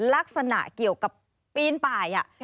ลักษณะเกี่ยวกับปีนป่าย